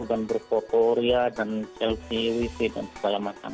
dan berfoto ria dan chelsea wifi dan sebagainya